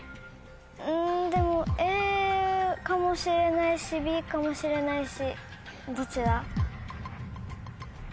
でもＡかもしれないしＢかもしれないし。